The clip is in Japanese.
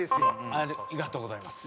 ありがとうございます。